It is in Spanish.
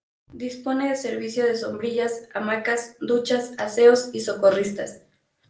Dispone de servicio de sombrillas, hamacas, duchas, aseos y socorristas.